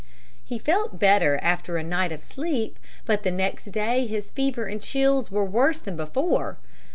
He felt better after a night of sleep, but the next day his fever and chills were worse than before.